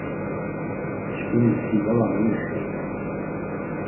Çkini skidala memixirt!